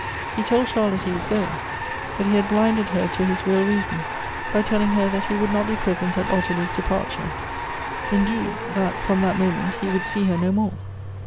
He told Charlotte he was going; but he had blinded her to his real reason, by telling her that he would not be present at Ottilie's departure ; indeed, that, from that moment, he would see her no more.